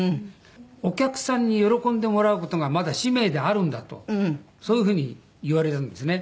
お客さんに喜んでもらう事がまだ使命であるんだとそういう風に言われるんですね。